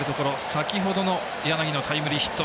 先ほどの柳のタイムリーヒット。